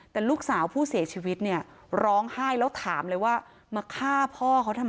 แต่ลูกสาวผู้เสียชีวิตเนี่ยร้องไห้แล้วถามเลยว่ามาฆ่าพ่อเขาทำไม